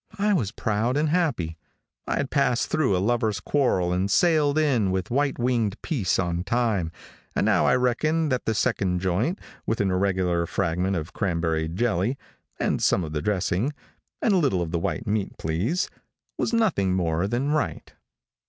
I was proud and happy. I had passed through a lover's quarrel and sailed in with whitewinged peace on time, and now I reckoned that the second joint, with an irregular fragment of cranberry jelly, and some of the dressing, and a little of the white meat please, was nothing more than right.